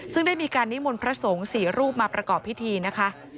ซึ่งได้มีการนิมนต์พระสงฆ์๔รูปมาประกอบพิธีนะคะ